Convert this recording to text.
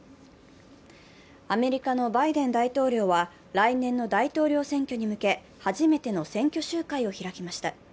アメリカのバイデン大統領は来年の大統領選挙に向け初めての選挙集会を開きました。